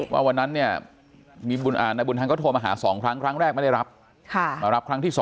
ว่าวันนั้นเนี่ยนายบุญธรรมก็โทรมาหา๒ครั้งครั้งแรกไม่ได้รับมารับครั้งที่๒